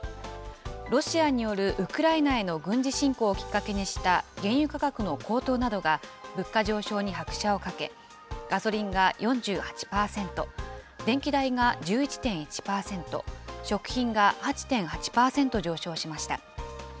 ロシアによるウクライナへの軍事侵攻をきっかけにした原油価格の高騰などが、物価上昇に拍車をかけ、ガソリンが４８％、電気代が１１．１％、食品が８．８％上昇しました。